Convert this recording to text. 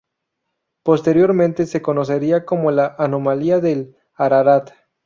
Posteriormente se conocería como la "anomalía del Ararat".